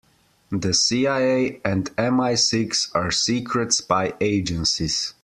The CIA and MI-Six are secret spy agencies.